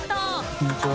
△こんにちは。